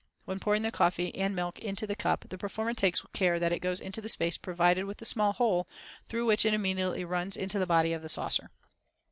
When pouring the coffee and milk into the cup the performer takes care that it goes into the space provided with the small hole, through which it immediately runs into the body of the saucer.